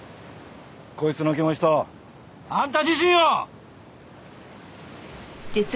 こいつの気持ちとあんた自身を！